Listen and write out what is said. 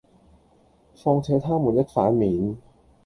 況且他們一翻臉，